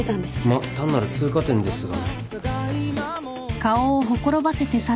まあ単なる通過点ですが。